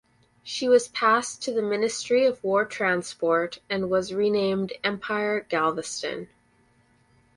She was passed to the Ministry of War Transport and was renamed "Empire Galveston".